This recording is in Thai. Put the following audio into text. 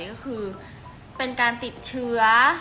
ก็คือเป็นการติดเชื้อ